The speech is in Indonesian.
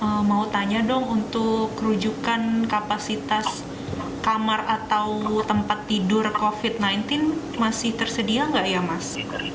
oke mau tanya dong untuk kerujukan kapasitas kamar atau tempat tidur covid sembilan belas masih tersedia nggak ya mas